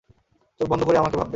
চোখ বন্ধ করে আমাকে ভাববে।